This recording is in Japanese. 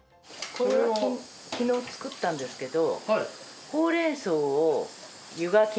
これは昨日作ったんですけど。